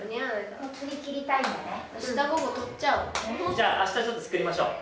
じゃあ明日ちょっと作りましょう。